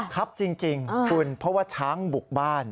ครับจริงคุณเพราะว่าช้างบุกบ้าน